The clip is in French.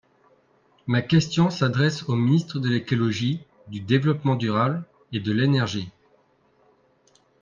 Ma question s’adresse au Ministre de l’écologie, du développement durable et de l’énergie.